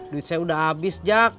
duit saya udah habis jak